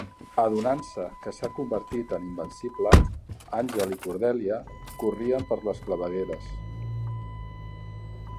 Adonant-se que s'ha convertit en invencible, Angel i Cordelia corrien per les clavegueres.